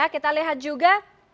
kita lihat juga